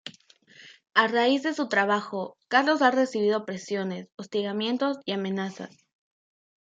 A raíz de su trabajo, Carlos ha recibido presiones, hostigamientos y amenazas.